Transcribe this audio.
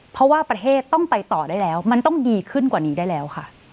เพราะว่าประเทศต้องไปต่อได้แล้ว